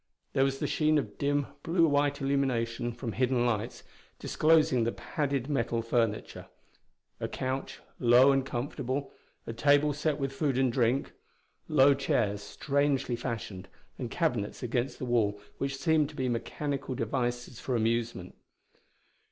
There was the sheen of dim, blue white illumination from hidden lights, disclosing the padded metal furniture: a couch, low and comfortable; a table set with food and drink; low chairs, strangely fashioned, and cabinets against the wall which seemed to be mechanical devices for amusement.